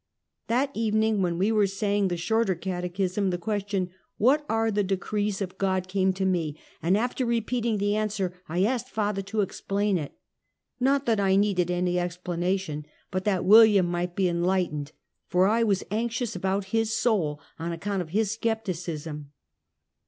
That evening, when we were saying the shorter cat echism, the question, "What are the decrees of God?" came to me, and after repeating the answer, I asked father to explain it — not that I needed any explana tion, but that William might be enlightened; for I was anxious about his soul, on account of his skepti cism.